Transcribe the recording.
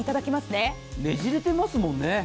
ねじれてますもんね。